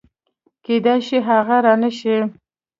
کېدای شي هغه رانشي